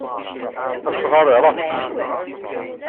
Asɣar ireqq.